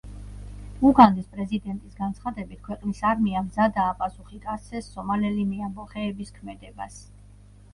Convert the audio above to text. უგანდის პრეზიდენტის განცხადებით, ქვეყნის არმია მზადაა პასუხი გასცეს სომალელი მეამბოხეების ქმედებას.